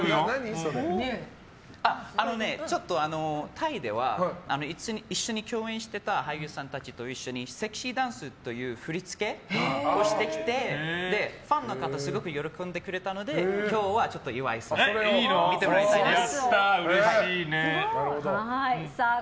タイでは一緒に共演していた俳優さんたちと一緒にセクシーダンスという振り付けをしてきてファンの方すごく喜んでくれたので今日は、岩井さんに見てもらいたいです。